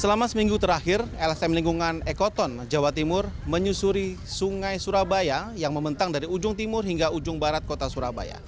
selama seminggu terakhir lsm lingkungan ekoton jawa timur menyusuri sungai surabaya yang membentang dari ujung timur hingga ujung barat kota surabaya